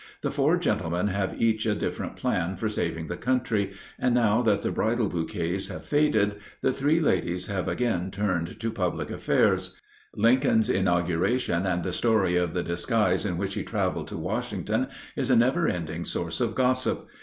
The four gentlemen have each a different plan for saving the country, and now that the bridal bouquets have faded, the three ladies have again turned to public affairs; Lincoln's inauguration and the story of the disguise in which he traveled to Washington is a never ending source of gossip.